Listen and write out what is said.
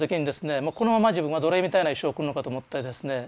もうこのまま自分は奴隷みたいな一生を送るのかと思ってですね